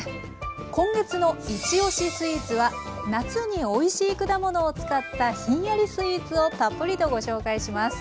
今月の「いちおしスイーツ」は夏においしい果物を使ったひんやりスイーツをたっぷりとご紹介します。